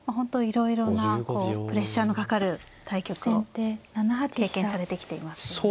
いろいろなこうプレッシャーのかかる対局を経験されてきていますよね。